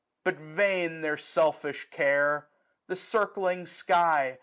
But vain their selfish care : the circling sky.